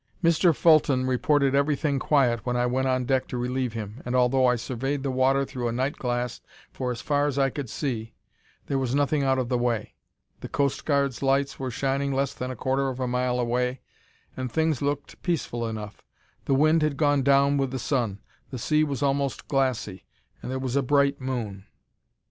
"Mr. Fulton reported everything quiet when I went on deck to relieve him, and although I surveyed the water through a night glass for as far as I could see, there was nothing out of the way. The Coast Guard's lights were shining less than a quarter of a mile away, and things looked peaceful enough. The wind had gone down with the sun; the sea was almost glassy, and there was a bright moon.